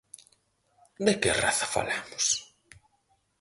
De que raza falamos?